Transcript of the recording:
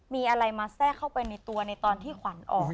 มีอะไรมาแทรกเข้าไปในตัวในตอนที่ขวัญออก